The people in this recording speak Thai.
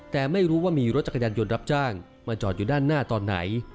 แต่ไม่รู้ว่ามีรถจักรยานยนต์รับจ้างมาจอดอยู่ด้านหน้าตอนไหน